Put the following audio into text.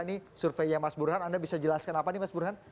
ini surveinya mas burhan anda bisa jelaskan apa nih mas burhan